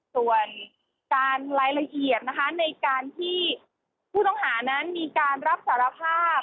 ส่วนการรายละเอียดนะคะในการที่ผู้ต้องหานั้นมีการรับสารภาพ